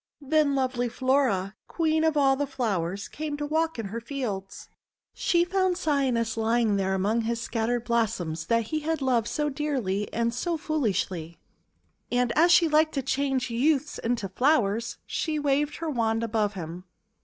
Then lovely Flora, Queen of all the Flowers, came to walk in her fields. She found Cyanus lying there among his scattered blossoms, that he had loved so dearly and so foolishly. And, 114 THE WONDER GARDEN as she liked to change youths into flowers, she waved her wand above him.